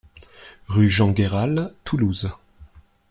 Rue Jean Gayral, Toulouse